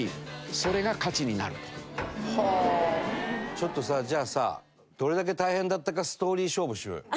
ちょっとさじゃあさどれだけ大変だったかストーリー勝負しようよ。